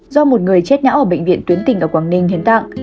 do một người chết nhão ở bệnh viện tuyến tỉnh ở quảng ninh hiến tạng